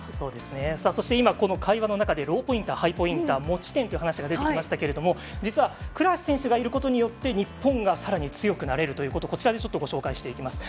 そして、今、会話の中でローポインター、ハイポインター持ち点という話が出てきましたが実は倉橋選手がいることによって日本がさらに強くなれるということをご紹介していきます。